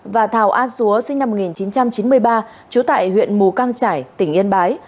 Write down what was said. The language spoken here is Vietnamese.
và thảo a dúa sinh năm một nghìn chín trăm chín mươi ba trú tại huyện mù căng trải tỉnh yên bái